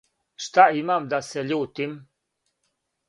Шта имам да се љутим?